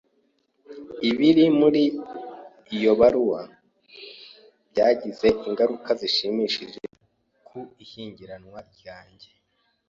Ibiri muri iyo baruwa byagize ingaruka zishimishije ku ishyingiranwa ryanjye.